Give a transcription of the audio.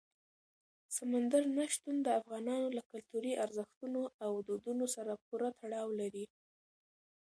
سمندر نه شتون د افغانانو له کلتوري ارزښتونو او دودونو سره پوره تړاو لري.